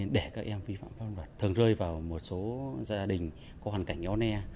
để các em vi phạm pháp luật thường rơi vào một số gia đình có hoàn cảnh yếu ne